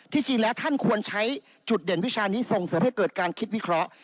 จริงแล้วท่านควรใช้จุดเด่นวิชานี้ส่งเสริมให้เกิดการคิดวิเคราะห์